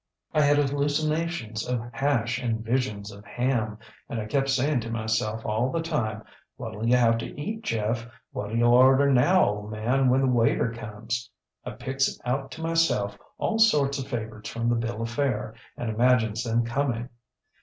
I had hallucinations of hash and visions of ham, and I kept saying to myself all the time, ŌĆśWhatŌĆÖll you have to eat, Jeff? ŌĆöwhatŌĆÖll you order now, old man, when the waiter comes? ŌĆÖ I picks out to myself all sorts of favourites from the bill of fare, and imagines them coming.